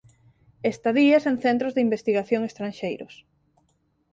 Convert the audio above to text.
Estadías en centros de investigación estranxeiros.